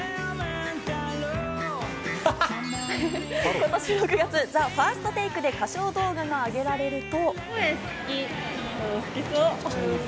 今年、「ＴＨＥＦＩＲＳＴＴＡＫＥ」で歌唱動画が上げられると。